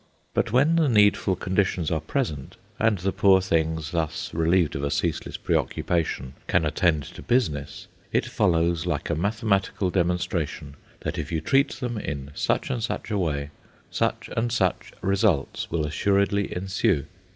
But when the needful conditions are present, and the poor things, thus relieved of a ceaseless preoccupation, can attend to business, it follows like a mathematical demonstration that if you treat them in such and such a way, such and such results will assuredly ensue.